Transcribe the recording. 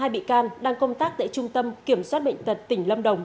hai bị can đang công tác tại trung tâm kiểm soát bệnh tật tỉnh lâm đồng